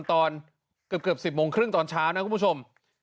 ตอนเกือบ๑๐โมงครึ่งตอนเช้านะคุณผู้ชม